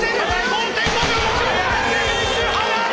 ５．５秒のフィニッシュ速い！